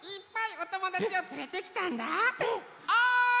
おい！